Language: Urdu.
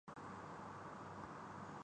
تم ناپندیدہ چیز ہے